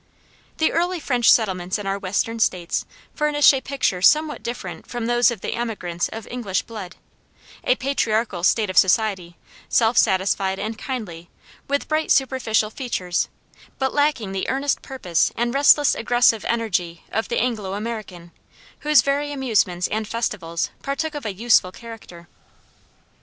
The early French settlements in our western States furnish a picture somewhat different from those of the emigrants of English blood: a patriarchal state of society, self satisfied and kindly, with bright superficial features, but lacking the earnest purpose and restless aggressive energy of the Anglo American, whose very amusements and festivals partook of a useful character.